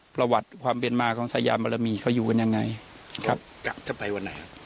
ประวัติความเป็นมาของสยามรมีเขาอยู่กันยังไงครับกะจะไปวันไหนครับ